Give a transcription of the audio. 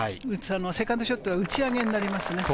セカンドショットは打ち上げになります。